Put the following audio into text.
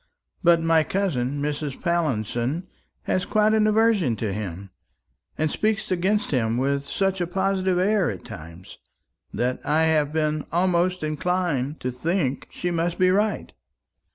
But my cousin Mrs. Pallinson has quite an aversion to him, and speaks against him with such a positive air at times, that I have been almost inclined to think she must be right.